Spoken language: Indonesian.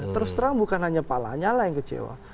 terus terang bukan hanya pak lanyala yang kecewa